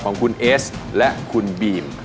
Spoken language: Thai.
ของคุณเอสและคุณบีม